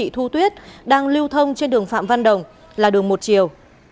nguyễn thị thu tuyết đang lưu thông trên đường phạm văn đồng là đường một triều